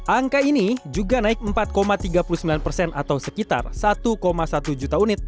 angka ini juga naik empat tiga puluh sembilan persen atau sekitar satu satu juta unit